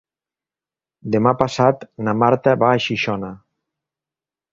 Demà passat na Marta va a Xixona.